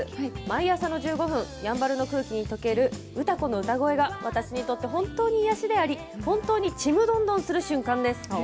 毎朝の１５分、やんばるの空気に溶ける歌子の歌声が私にとって本当に癒やしであり本当にちむどんどんする瞬間です。